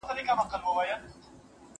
هر څه بايد وليکل سي.